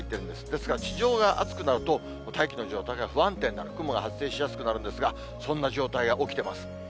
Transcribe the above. ですから地上が暑くなると大気の状態が不安定になる、雲が発生しやすくなるんですが、そんなじょうたいが起きてます。